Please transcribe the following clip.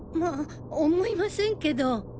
お思いませんけど。